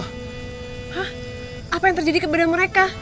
hah apa yang terjadi kepada mereka